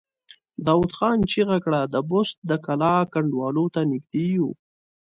داوود خان چيغه کړه! د بست د کلا کنډوالو ته نږدې يو!